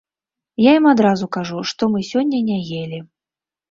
Я ім адразу кажу, што мы сёння не елі.